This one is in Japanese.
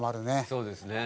そうですね。